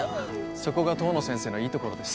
そこが遠野先生のいいところです。